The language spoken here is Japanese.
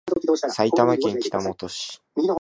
埼玉県北本市